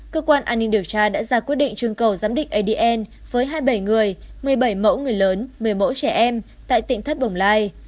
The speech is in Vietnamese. cơ quan an ninh điều tra đã ra quyết định trưng cầu giám định adn với hai mươi bảy người một mươi bảy mẫu người lớn một mươi mẫu trẻ em tại tỉnh thất bồng lai